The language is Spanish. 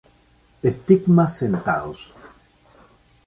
Estigmas sentados.